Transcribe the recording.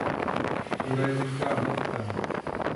Kůra je tenká a hladká.